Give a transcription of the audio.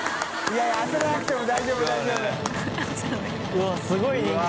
うわぁすごい人気。